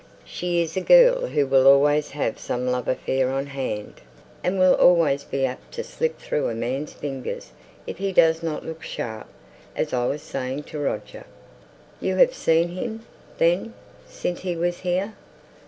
She's a girl who'll always have some love affair on hand, and will always be apt to slip through a man's fingers if he doesn't look sharp; as I was saying to Roger " "You have seen him, then, since he was here?"